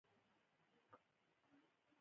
چې لازمي وجود او کانټينجنسي ئې پېژندلي وے -